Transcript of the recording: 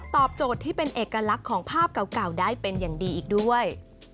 โจทย์ที่เป็นเอกลักษณ์ของภาพเก่าได้เป็นอย่างดีอีกด้วย